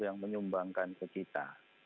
yang menyumbangkan ke kita